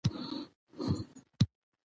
له خپل جنون څخه شرمېږمه د خدای په امان